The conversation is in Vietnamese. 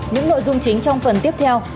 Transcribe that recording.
những nội dung chính trong phần tiếp theo